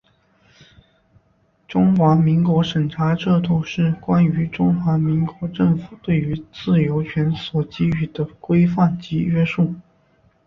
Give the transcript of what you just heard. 中华民国审查制度是关于中华民国政府对于自由权所给予的规范及约束。